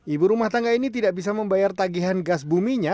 ibu rumah tangga ini tidak bisa membayar tagihan gas buminya